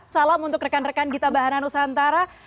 salam untuk rekan rekan gita bahanan nusantara